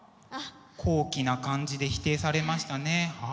高貴な感じで否定されましたね。